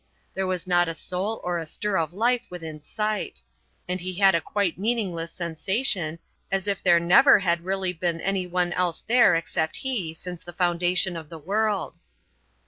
There was not a soul or a stir of life within sight. And he had a quite meaningless sensation, as if there never really had been any one else there except he since the foundation of the world.